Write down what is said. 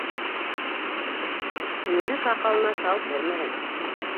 Түңәрәк һаҡалына сал кермәгән.